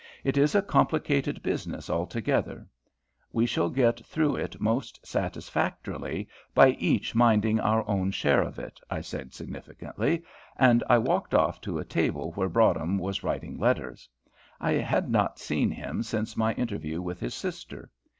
It is a complicated business altogether. We shall get through it most satisfactorily by each minding our own share of it," I said significantly, and I walked off to a table where Broadhem was writing letters. I had not seen him since my interview with his sister.